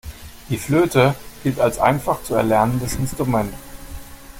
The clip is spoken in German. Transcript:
Die Flöte gilt als einfach zu erlernendes Instrument.